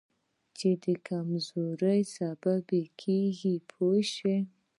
چې د کمزورۍ سبب کېږي پوه شوې!.